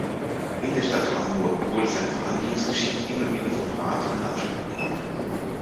In der Stadt Hamburg wurde sein Verhandlungsgeschick immer wieder vom Rat in Anspruch genommen.